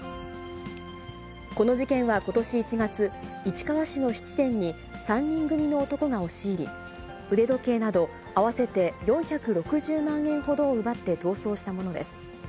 この事件はことし１月、市川市の質店に３人組の男が押し入り、腕時計など、合わせて４６０万円ほどを奪って逃走したものです。